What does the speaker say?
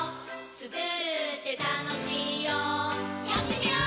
つくるってたのしいよやってみよー！